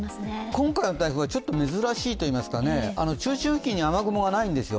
今回の台風はちょっと珍しいといいますか、中心付近に雨雲がないんですよ。